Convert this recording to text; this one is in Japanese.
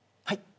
はい。